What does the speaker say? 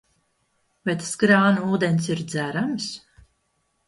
Vai tas krāna ūdens ir dzerams?